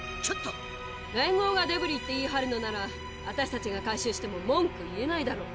連合が「デブリ」って言い張るのなら私たちが回収しても文句言えないだろ？